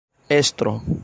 estro